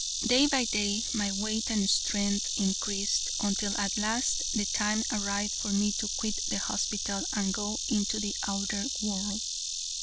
Day by day my weight and strength increased, until at last the time arrived for me to quit the hospital and go into the outer world.